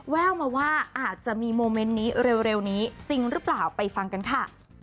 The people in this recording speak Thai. แววมาว่าอาจจะมีโมเมนต์นี้เร็วนี้จริงหรือเปล่าไปฟังกันค่ะ